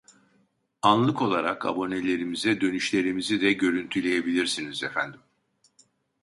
Anlık olarak abonelerimize dönüşlerimizi de görüntüleyebilirsiniz efendim